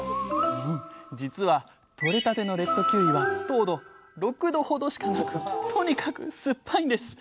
じつはとれたてのレッドキウイは糖度６度ほどしかなくとにかくすっぱいんです。